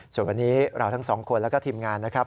ส่วนวันนี้เราทั้งสองคนแล้วก็ทีมงานนะครับ